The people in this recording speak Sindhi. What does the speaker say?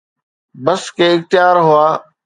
بس ڪي اختيار هئا.